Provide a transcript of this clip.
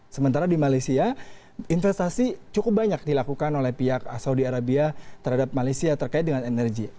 sementara di malaysia investasi cukup banyak dilakukan oleh pihak saudi arabia terhadap malaysia terkait dengan energi